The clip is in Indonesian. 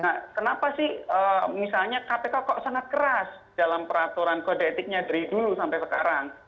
nah kenapa sih misalnya kpk kok sangat keras dalam peraturan kode etiknya dari dulu sampai sekarang